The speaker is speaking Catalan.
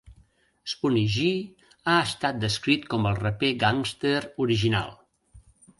Spoonie Gee ha estat descrit com "el raper gàngster original".